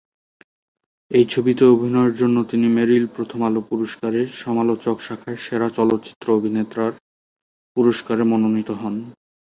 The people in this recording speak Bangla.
এই ছবিতে অভিনয়ের জন্য তিনি মেরিল-প্রথম আলো পুরস্কার এ সমালোচক শাখায় সেরা চলচ্চিত্র অভিনেতার পুরস্কারে মনোনীত হন।